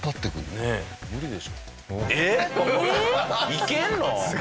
いけるの？